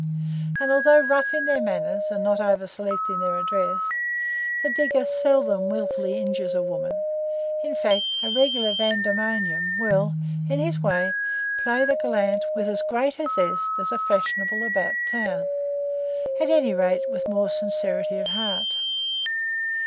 And although rough in their manners, and not over select in their address, the digger seldom wilfully injures a woman; in fact, a regular Vandemonian will, in his way, play the gallant with as great a zest as a fashionable about town at any rate, with more sincerity of heart.